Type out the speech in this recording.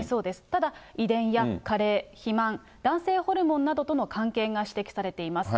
ただ、遺伝や加齢、肥満、男性ホルモンなどとの関係が指摘されています。